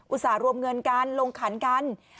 ต่ารวมเงินกันลงขันกัน